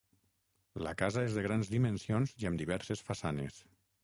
La casa és de grans dimensions i amb diverses façanes.